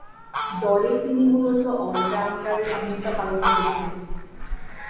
দলে তিনি মূলতঃ অল-রাউন্ডারের ভূমিকা পালন করতেন।